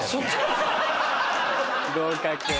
合格。